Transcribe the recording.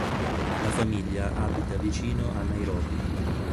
La famiglia abita vicino a Nairobi.